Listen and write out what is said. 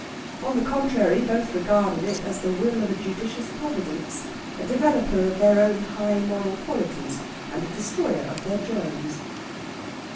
On the contrary, both regarded it as the will of a judicious Providence, a developer of their own high moral qualities and a destroyer of their germs.